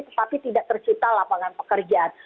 tetapi tidak tercipta lapangan pekerjaan